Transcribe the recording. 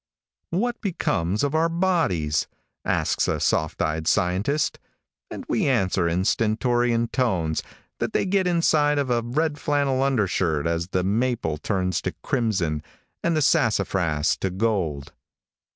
|WHAT becomes of our bodies?" asks a soft eyed scientist, and we answer in stentorian tones, that they get inside of a red flannel undershirt as the maple turns to crimson and the sassafras to gold.